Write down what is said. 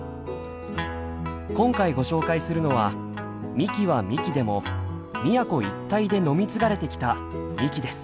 今回ご紹介するのは「みき」は「みき」でも宮古一帯で飲み継がれてきた「みき」です。